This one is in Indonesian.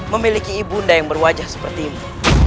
memiliki ibu ndaku yang berwajah seperti ibu